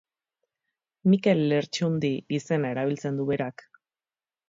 Mikel Lertxundi izena erabiltzen du berak.